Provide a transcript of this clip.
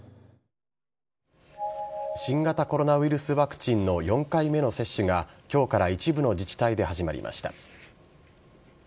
新型コロナウイルスワクチンの４回目の接種が今日から一部の自治体で始まりました。